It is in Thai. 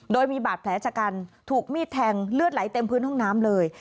โดยมีบาดแผลชะกันถูกมีดแทงเลือดไหลเต็มพื้นห้องน้ำเลย